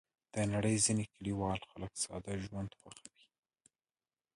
د نړۍ ځینې کلیوال خلک ساده ژوند خوښوي.